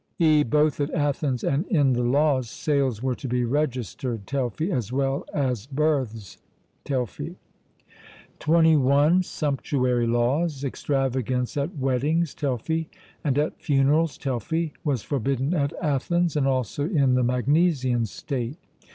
(e) Both at Athens and in the Laws sales were to be registered (Telfy), as well as births (Telfy). (21) Sumptuary laws. Extravagance at weddings (Telfy), and at funerals (Telfy) was forbidden at Athens and also in the Magnesian state.